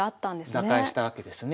打開したわけですね。